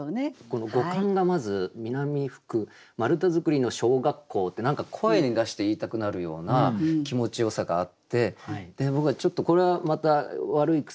この語感がまず「南吹く丸太造りの小学校」って何か声に出して言いたくなるような気持ちよさがあって僕はちょっとこれはまた悪い癖なのかもしれないです。